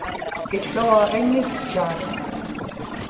iłuaġiŋitchaat